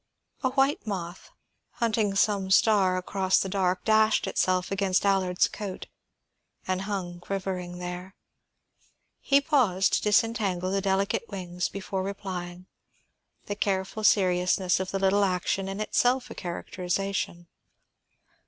A white moth, hunting some star across the dark, dashed itself against Allard's coat and hung quivering there. He paused to disentangle the delicate wings before replying, the careful seriousness of the little action in itself a characterization.